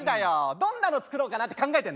どんなの作ろうかなって考えてんの？